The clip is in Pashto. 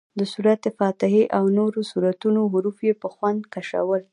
د سورت فاتحې او نورو سورتونو حروف یې په خوند کشول.